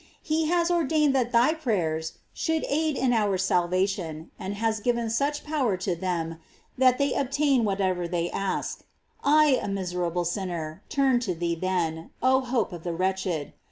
He has ordained that thy prayers should aid in our salvation, and has given such power to them that they obtain whatever they ask; I, a miserable sinner, turn to thee then, oh hope of the wretch ed.